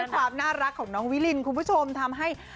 ความน่ารักของน้องวิลินคุณผู้ชมทำให้